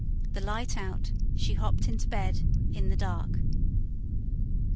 The light out, she hopped into bed in the dark.